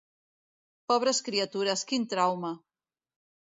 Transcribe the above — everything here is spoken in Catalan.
Pobres criatures, quin trauma!